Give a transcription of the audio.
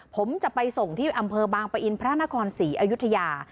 ผมจะไปส่งที่อำเภอบางปะอินพระนครศรีอยุธยา